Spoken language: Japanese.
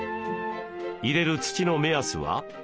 入れる土の目安は？